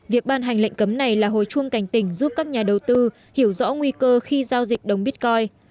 việc ban hành lệnh cấm này là hồi chuông cảnh tỉnh giúp các nhà đầu tư hiểu rõ nguy cơ khi giao dịch đồng bitcoin